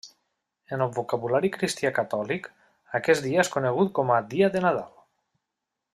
En el vocabulari cristià catòlic, aquest dia és conegut com a Dia de Nadal.